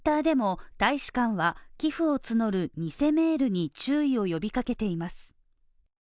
Ｔｗｉｔｔｅｒでも大使館は、寄付を募る偽メールに注意を呼びかけています。